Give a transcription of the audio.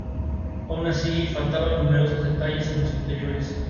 Aun así, faltaban numerosos detalles en los interiores.